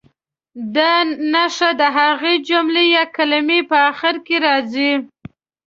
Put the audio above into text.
دا نښه د هغې جملې یا کلمې په اخر کې راځي.